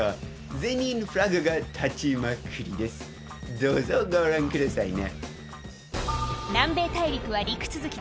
どうぞご覧くださいね。